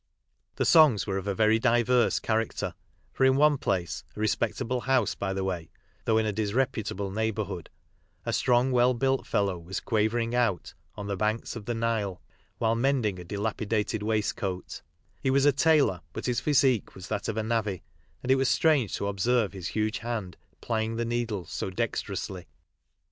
The songs were of a very diverse character, for in one place,— a respectable house by the way, though in a disreputable neighbourhood— a strong well built fellow was quavering out "On the banks of the Nile," while mending a dilapidated waistcoat, He was a tailor, but his physique was that of a navvy, and it was strange to observe his huge hand plying the needle so dexterously.